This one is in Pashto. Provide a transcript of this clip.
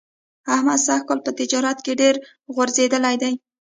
احمد سږ کال په تجارت کې ډېر غورځېدلی دی.